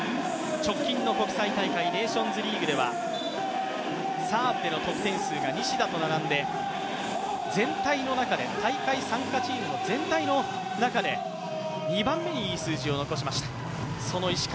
直近の大会ネーションズリーグではサーブでの得点数が西田と並んで全体の中で、大会参加チームの全体の中で２番目にいい数字を残しました。